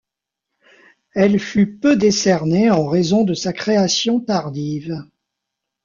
Elle fut peu décernée en raison de sa création tardive.